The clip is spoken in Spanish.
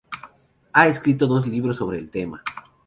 Ha escrito dos libros sobre el tema.